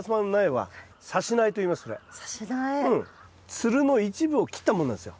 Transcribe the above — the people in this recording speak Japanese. つるの一部を切ったものなんですよ。